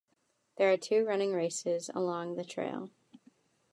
There are two running races along the trail.